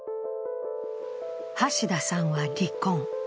橋田さんは離婚。